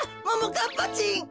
かっぱちん。